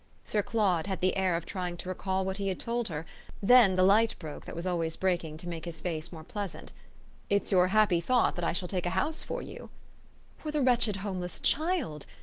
Sir Claude had the air of trying to recall what he had told her; then the light broke that was always breaking to make his face more pleasant. "It's your happy thought that I shall take a house for you?" "For the wretched homeless child.